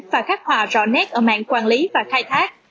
và khắc họa rõ nét ở mạng quản lý và khai thác